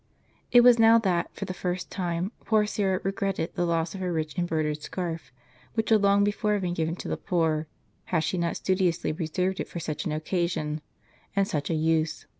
* It was now that, for the first time, poor Syra regret ted the loss of her rich embroidered scarf, which would long before have been given to the poor, had she not studiously reserved it for such an occasion, and such a use.